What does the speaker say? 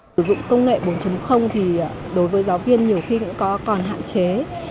sử dụng công nghệ bốn thì đối với giáo viên nhiều khi cũng còn hạn chế